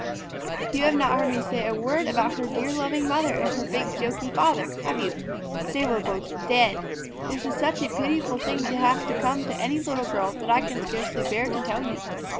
You have not heard me say a word about her dear loving mother and her big joky father, have you? They were both dead! This is such a pitiful thing to have come to any little girl that I can scarcely bear to tell you.